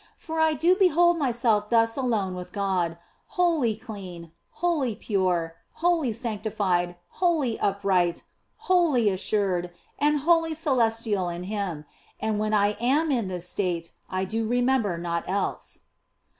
For I do behold myself thus alone with God, wholly clean, wholly pure, wholly sanctified, wholly up right, wholly assured, and wholly celestial in Him, and when I am in this state I do remember naught else.